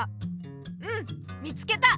うん見つけた！